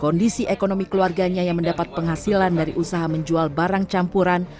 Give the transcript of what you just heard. kondisi ekonomi keluarganya yang mendapat penghasilan dari usaha menjual barang campuran